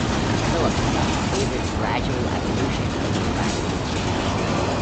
Phillips' style favored gradual evolution over radical change.